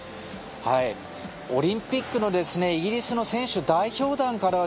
オリンピックのイギリスの選手代表団からは